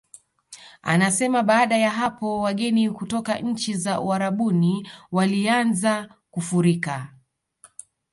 Anasema baada ya hapo wageni kutoka nchi za Uarabuni walianza kufurika